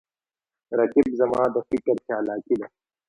رقیب زما د فکر چالاکي ده